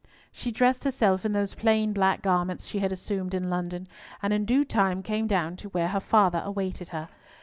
She dressed herself in those plain black garments she had assumed in London, and in due time came down to where her father awaited her.